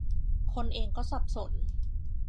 คนเองก็สับสน